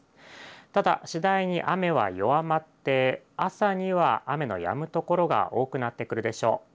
ただしだいに雨は弱まって朝には雨のやむ所が多くなってくるでしょう。